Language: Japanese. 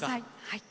はい。